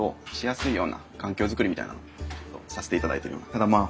ただまあ